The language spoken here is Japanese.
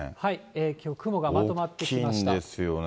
きょう雲がまとまってきました。